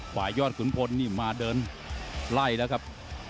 ฝ่ายยอดขุนพลนี่มาเดินไล่แล้วครับ